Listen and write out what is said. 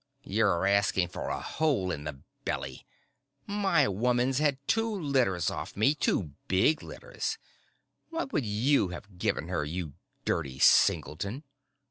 "You're asking for a hole in the belly! My woman's had two litters off me, two big litters. What would you have given her, you dirty singleton?"